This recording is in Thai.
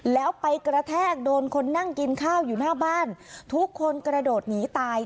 แล้วไปกระแทกโดนคนนั่งกินข้าวอยู่หน้าบ้านทุกคนกระโดดหนีตาย